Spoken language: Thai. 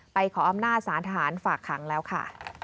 ไปขออ้อมหน้าสารทหารฝากขังแล้วค่ะ